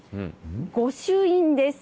御朱印です。